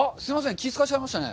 気を使わせちゃいましたね。